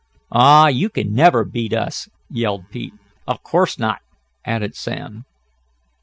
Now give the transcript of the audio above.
"Aw, you can never beat us!" yelled Pete. "Of course not!" added Sam.